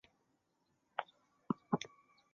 制作成员和原作一样。